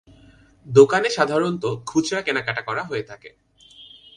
দোকানে সাধারণতঃ খুচরা কেনাকাটা করা হয়ে থাকে।